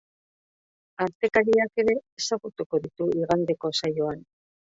Artekariak ere ezagutuko ditugu igandeko saioan.